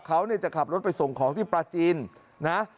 เขาจะขับรถไปส่งของที่ปลาจีนนะ